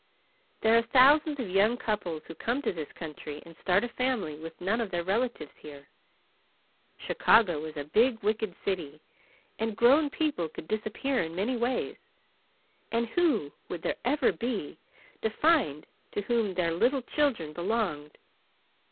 There are thousands of young couples who come to this country and start a family with none of their relatives here. Chicago is a big, wicked city, and grown people could disappear in many ways, and who would there ever be to find to whom their little children belonged?